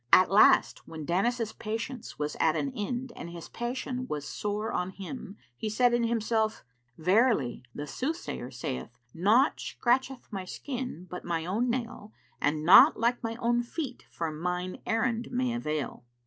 At last when Danis's patience was at an end and his passion was sore on him, he said in himself, "Verily, the sooth sayer saith, 'Naught scratcheth my skin but my own nail and naught like my own feet for mine errand may avail.'"